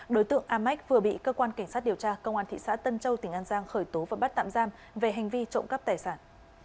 đối tượng a mác vừa bị cơ quan cảnh sát điều tra công an thị xã tân châu tỉnh an giang khởi tố và bắt tạm giam về hành vi trộm cắp tài sản